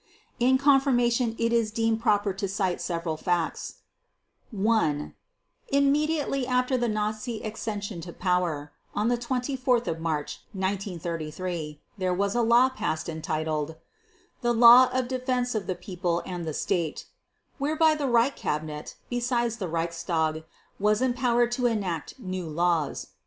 In confirmation it is deemed proper to cite several facts: 1. Immediately after the Nazi accession to power—on 24 March 1933—there was a law passed entitled "The Law of Defense of the People and the State" whereby the Reich Cabinet, besides the Reichstag, was empowered to enact new laws.